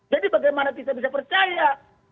jadi bagaimana kita bisa percaya